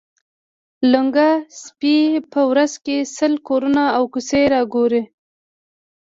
لنګه سپۍ په ورځ کې سل کورونه او کوڅې را ګوري.